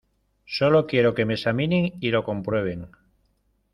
solo quiero que me examinen y lo comprueben.